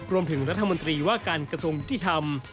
รวมถึงรัฐมนตรีว่าการกระทรวงยุติธรรม